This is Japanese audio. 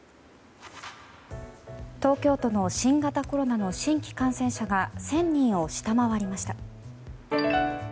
東京都の新型コロナの新規感染者が１０００人を下回りました。